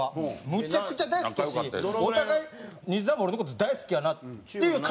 むちゃくちゃ大好きやしお互い西澤も俺の事大好きやなって感じてたんですよ。